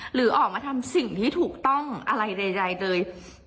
หรือออกมาทำสิ่งที่ถูกต้องอะไรใดโดย